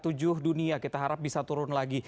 tujuh dunia kita harap bisa turun lagi